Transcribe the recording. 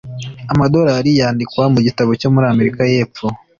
Amadolari yandikwa mu gitabo cyo muri Amerika y'Epfo